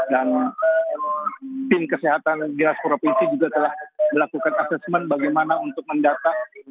dan tim kesehatan di raskurovisi juga telah melakukan asesmen bagaimana untuk mendata